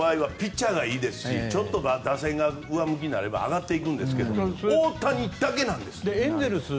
今、阪神の場合はピッチャーがいいですし打線が上向きになれば上がっていくんですが大谷だけなんです。